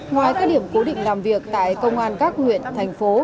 ngoài các điểm cố định làm việc tại công an các huyện thành phố